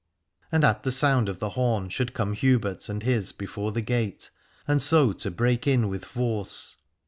And at the sound of the horn should come Hubert and his before the gate, and so to break in with force.